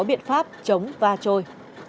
biện pháp chống va trôi